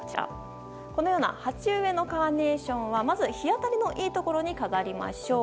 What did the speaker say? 鉢植えのカーネーションはまず日当たりのいいところに飾りましょう。